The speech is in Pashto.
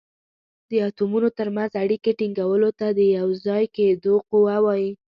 د اتومونو تر منځ اړیکې ټینګولو ته د یو ځای کیدو قوه وايي.